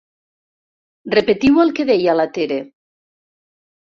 Repetiu el que deia la Tere.